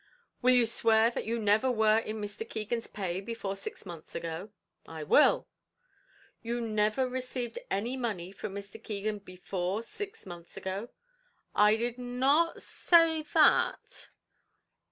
"Will you swear that you never were in Mr. Keegan's pay before six months ago?" "I will." "You never received any money from Mr. Keegan before six months ago?" "I did not say that."